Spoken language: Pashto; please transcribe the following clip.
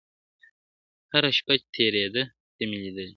هره شپه چي تېرېده ته مي لیدلې-